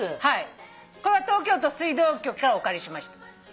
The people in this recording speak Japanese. はいこれは東京都水道局からお借りしました。